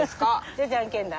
じゃあじゃんけんだ。